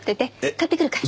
買ってくるから。